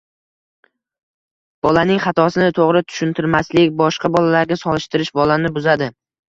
Bolaning xatosini to‘g‘ri tushuntirmaslik, boshqa bolalarga solishtirish bolani buzadi.